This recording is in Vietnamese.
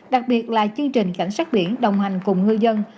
đặc biệt là chương trình cảnh sát biển đồng hành cùng ngư dân